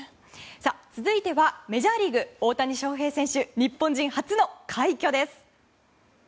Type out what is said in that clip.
続いては、メジャーリーグ大谷翔平選手日本人初の快挙です。